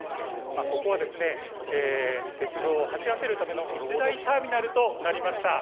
ここは鉄道を走らせるための一大ターミナルとなりました。